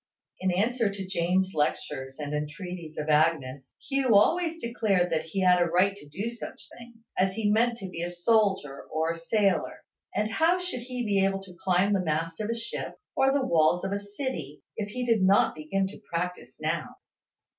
In answer to Jane's lectures and the entreaties of Agnes, Hugh always declared that he had a right to do such things, as he meant to be a soldier or a sailor; and how should he be able to climb the mast of a ship, or the walls of a city, if he did not begin to practise now?